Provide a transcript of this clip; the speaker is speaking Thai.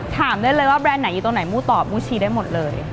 ถามได้เลยว่าแบรนด์ไหนอยู่ตรงไหนมู้ตอบมูชี้ได้หมดเลย